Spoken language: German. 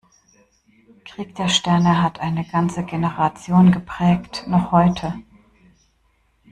"Krieg der Sterne" hat eine ganze Generation geprägt. Noch heute.